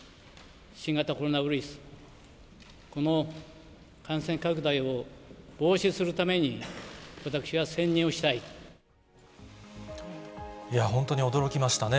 新型コロナウイルス、この感染拡大を防止するために、本当に驚きましたね。